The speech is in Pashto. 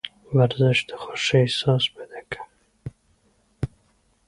ورزش د خوښې احساس پیدا کوي.